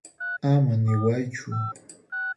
Ama niwaychu.